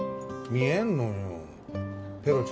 見えんのよ